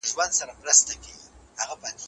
دا احترام بايد د هغوی شخصي ژوند ته صدمه ونه رسوي.